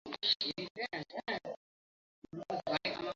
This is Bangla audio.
অসম্ভব সুন্দরা বিনুর চুলগুলো পিঠময় ছড়ান।